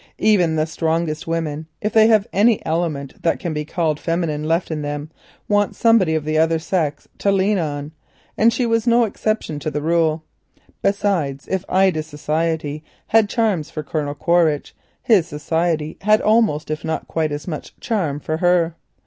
Even the strongest women, if they have any element that can be called feminine left in them, want somebody of the other sex to lean on, and she was no exception to the rule. Besides, if Ida's society had charms for Colonel Quaritch, his society had almost if not quite as much charm for her.